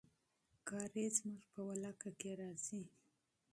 کارېز زموږ په ولکه کې راځي.